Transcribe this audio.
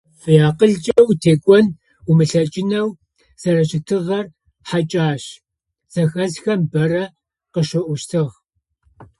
Гушъэф иакъылкӏэ утекӏон умылъэкӏынэу зэрэщытыгъэр хьакӏэщ зэхэсхэм бэрэ къыщаӏощтыгъ.